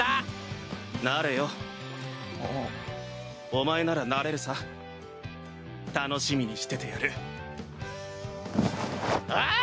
お前ならなれるさ楽しみにしててやるおう！